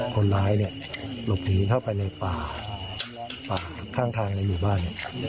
คนร้ายเนี่ยหลบหนีเข้าไปในป่าป่าข้างทางในหมู่บ้าน